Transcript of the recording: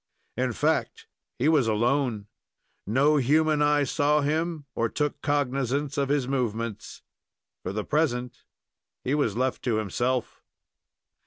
In fact, he was alone. No human eye saw him, or took cognizance of his movements. For the present he was left to himself.